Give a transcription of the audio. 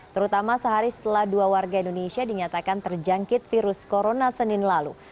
terutama sehari setelah dua warga indonesia dinyatakan terjangkit virus corona senin lalu